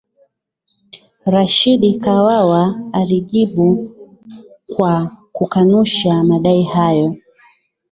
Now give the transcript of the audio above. rashidi kawawa alijibu kwa kukanusha madai hayo